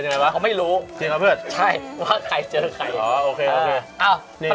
นี่สมัยก่อนพวกจอมยุทธเขาจะสักแบบนี้